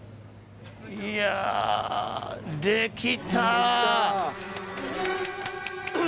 いやできた！